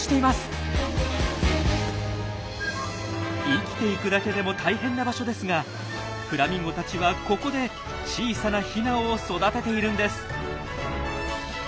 生きていくだけでも大変な場所ですがフラミンゴたちはここで小さなヒナを育てているんです。